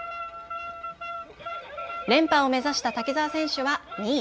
連覇を目指した滝澤選手は２位。